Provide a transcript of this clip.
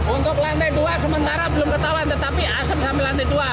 untuk lantai dua sementara belum ketahuan tetapi asep sampai lantai dua